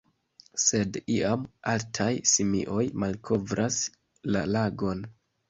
Sed iam, altaj simioj malkovras la lagon.